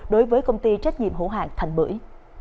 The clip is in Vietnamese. đối với công ty trách nhiệm hữu hạng thành bưởi